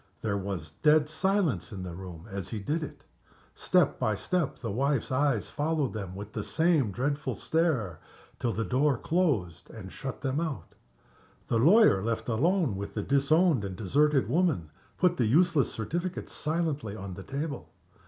There was dead silence in the room as he did it. Step by step the wife's eyes followed them with the same dreadful stare, till the door closed and shut them out. The lawyer, left alone with the disowned and deserted woman, put the useless certificate silently on the table.